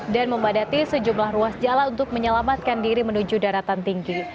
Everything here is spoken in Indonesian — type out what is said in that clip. dan memadati sejumlah ruas jalan untuk menyelamatkan diri menuju daratan tinggi